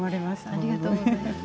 ありがとうございます。